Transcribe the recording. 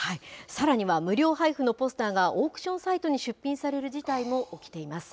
さらには無料配布のポスターがオークションサイトに出品される事態も起きています。